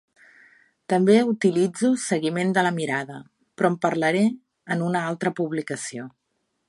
També utilitzo seguiment de la mirada, però en parlaré en una altra publicació.